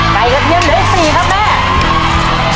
กระเทียมเหลือง๔ครับแม่